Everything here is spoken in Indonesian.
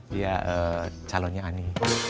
dia calonnya ani